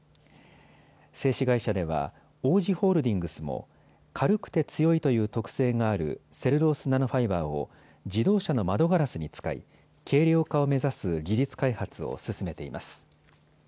製紙会社では王子ホールディングスも軽くて強いという特性があるセルロースナノファイバーを自動車の窓ガラスに使い軽量化を目指す技術開発を進めています。